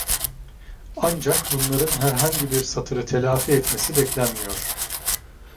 Ancak, bunların herhangi bir satırı telafi etmesi beklenmiyor.